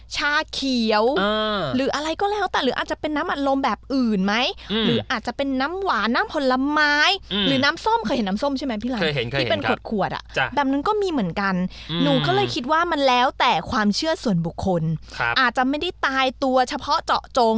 ชาเขียวหรืออะไรก็แล้วแต่หรืออาจจะเป็นน้ำอัดลมแบบอื่นไหมหรืออาจจะเป็นน้ำหวานน้ำผลไม้หรือน้ำส้มเคยเห็นน้ำส้มใช่ไหมพี่ไลที่เป็นขวดขวดอ่ะแบบนึงก็มีเหมือนกันหนูก็เลยคิดว่ามันแล้วแต่ความเชื่อส่วนบุคคลอาจจะไม่ได้ตายตัวเฉพาะเจาะจง